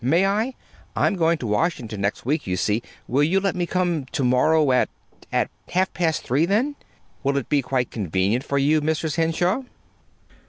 May I? I'm going to Washington next week, you see. Will you let me come to morrow at at half past three, then? Will it be quite convenient for you, Mrs. Henshaw?"